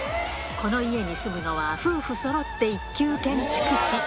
この家に住むのは、夫婦そろって一級建築士。